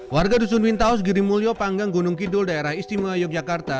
warga dusun wintaus girimulyo panggang gunung kidul daerah istimewa yogyakarta